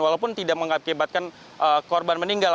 walaupun tidak mengakibatkan korban meninggal